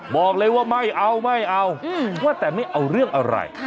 บอกเลยว่าไม่เอาไม่เอาว่าแต่ไม่เอาเรื่องอะไร